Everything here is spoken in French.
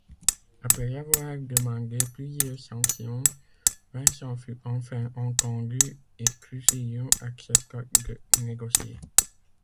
Après avoir demandé plusieurs sanctions, Vincent fut enfin entendu et Trujillo accepta de négocier.